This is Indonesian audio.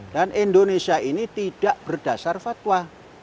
dan indonesia ini tidak berdasar fatwa